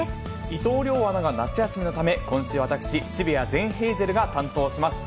伊藤遼アナが夏休みのため、今週私、澁谷善ヘイゼルが担当します。